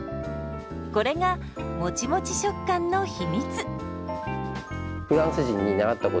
これがもちもち食感の秘密。